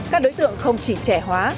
các đối tượng không chỉ trẻ hóa